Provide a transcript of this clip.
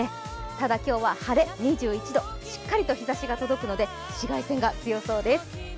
ただ今日は、晴れ２１度しっかり日ざしが届くので紫外線が強そうです。